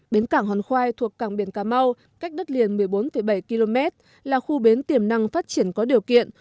bến cảng hòn khoai thuộc cảng biển cà mau cách đất liền một mươi bốn bảy km là khu bến tiềm năng phát triển có điều kiện